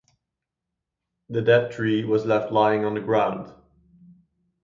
The dead tree was left lying on the ground.